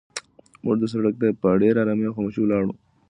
موټر د سړک په غاړه په ډېرې ارامۍ او خاموشۍ ولاړ و.